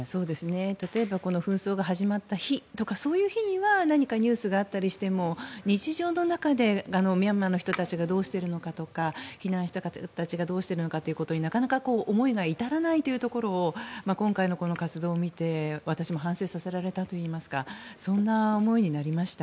例えば紛争が始まった日とかそういう日には何かニュースがあったりしても日常の中でミャンマーの人たちがどうしているのかとか避難した方たちがどうしているのかということになかなか思いが至らないというところを今回の活動を見て私も反省させられたといいますかそんな思いになりました。